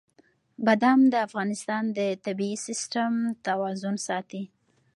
بادام د افغانستان د طبعي سیسټم توازن ساتي.